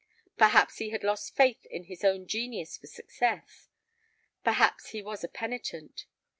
Perhaps he had lost faith in his own genius for success. Perhaps he was penitent.